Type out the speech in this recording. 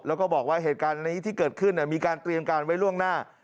แล้วก็บอกว่าเหตุการณ์นี้ที่เกิดขึ้นมีการเตรียมการไว้ล่วงหน้า